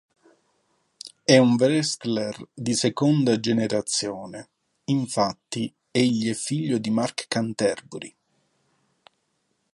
È un wrestler di seconda generazione: infatti, egli è figlio di Mark Canterbury.